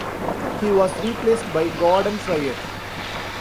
He was replaced by Gordon Fryett.